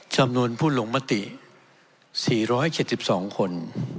จำนวนผู้ลงมติ๔๗๒คน